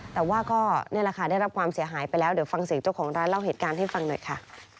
แต่ว่าก็นี่แหละค่ะได้รับความเสียหายไปแล้วเดี๋ยวฟังเสียงเจ้าของร้านเล่าเหตุการณ์ให้ฟังหน่อยค่ะ